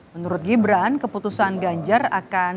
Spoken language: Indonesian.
menurut gibran keputusan ganjar akan